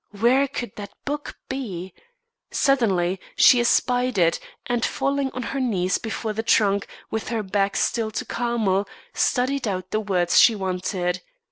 Where could that book be? Suddenly she espied it and, falling on her knees before the trunk, with her back still to Carmel, studied out the words she wanted.